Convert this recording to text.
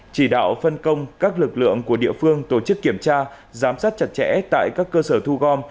chỉ đạo phân công các lực lượng của địa phương tổ chức kiểm tra giám sát chặt chẽ tại các cơ sở thu gom